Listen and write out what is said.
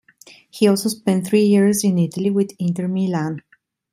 He also spent three years in Italy with Inter Milan.